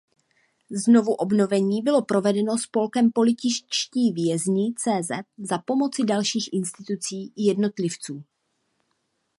Znovuobnovení bylo provedeno spolkem Političtí vězni.cz za pomoci dalších institucí i jednotlivců.